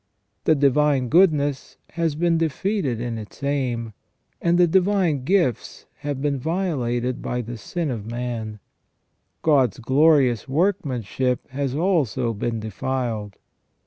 The divine goodness has been defeated in its aim, and the divine gifts have been violated by the sin of man ; God's glorious workmanship has also been defiled.